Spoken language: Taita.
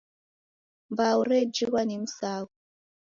Mbau rejighwa ni msaghu.